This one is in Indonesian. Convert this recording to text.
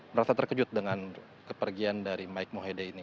merasa terkejut dengan kepergian dari mike mohede ini